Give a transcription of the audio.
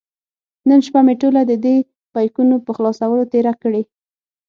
نن شپه مې ټوله د دې بیکونو په خلاصولو تېره کړې.